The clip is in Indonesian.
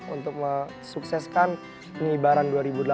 untuk ngesukseskan penghibaran dua ribu delapan belas